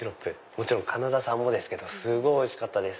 もちろんカナダ産もすごいおいしかったです。